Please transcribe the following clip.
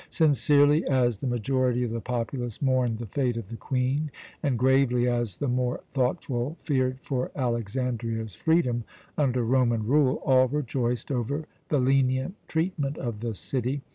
Sincerely as the majority of the populace mourned the fate of the Queen, and gravely as the more thoughtful feared for Alexandria's freedom under Roman rule, all rejoiced over the lenient treatment of the city.